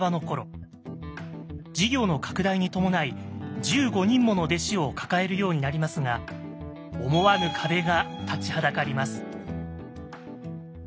事業の拡大に伴い１５人もの弟子を抱えるようになりますが思わぬ壁が立ちはだかります。